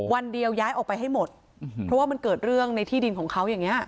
วันเดียวย้ายออกไปให้หมดเพราะว่ามันเกิดเรื่องในที่ดินของเขาอย่างนี้